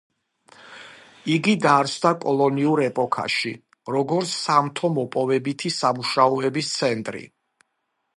იგი დაარსდა კოლონიურ ეპოქაში, როგორც სამთო-მოპოვებითი სამუშაოების ცენტრი.